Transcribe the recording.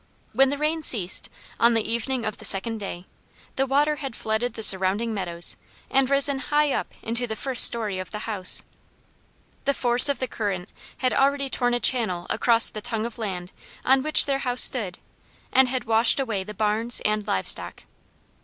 When the rain ceased, on the evening of the second day, the water had flooded the surrounding meadows and risen high up into the first story of the house. The force of the current had already torn a channel across the tongue of land on which the house stood and had washed away the barns and live stock.